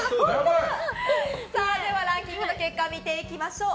ランキングの結果見ていきましょう。